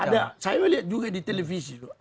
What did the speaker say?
ada saya melihat juga di televisi